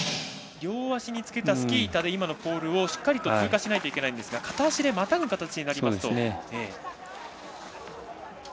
両足につけたスキー板で今のポールをしっかり通過しないといけませんが片足でまたぐ形になりました。